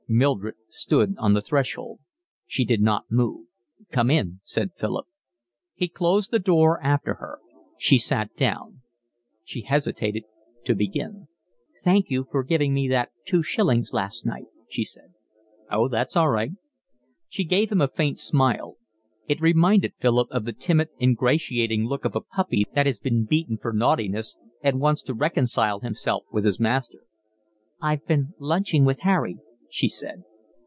Mildred stood on the threshold. She did not move. "Come in," said Philip. He closed the door after her. She sat down. She hesitated to begin. "Thank you for giving me that two shillings last night," she said. "Oh, that's all right." She gave him a faint smile. It reminded Philip of the timid, ingratiating look of a puppy that has been beaten for naughtiness and wants to reconcile himself with his master. "I've been lunching with Harry," she said.